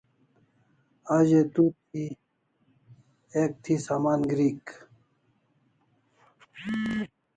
A ze tu ek thi saman grik